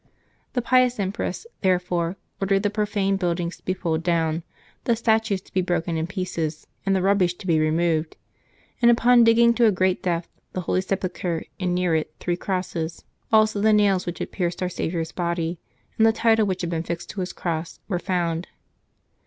The pious empress, therefore, ordered the pro fane buildings to be pulled down, the statues to be broken in pieces, and the rubbish to be removed; and, upon digging to a great depth, the holy sepulchre, and near it three crosses, also the nails which had pierced Our Saviour's body, and the title which had been fixed to His cross, were found.